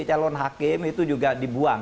calon hakim itu juga dibuang